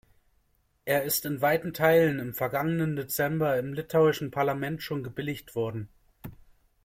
Er ist in weiten Teilen im vergangenen Dezember im litauischen Parlament schon gebilligt worden.